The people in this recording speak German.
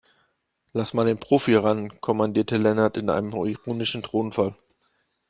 Lass mal den Profi ran, kommandierte Lennart in einem ironischen Tonfall.